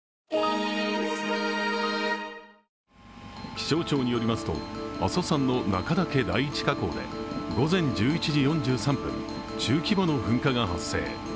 気象庁によりますと、阿蘇山の中岳第一火口で午前１１時４３分、中規模の噴火が発生。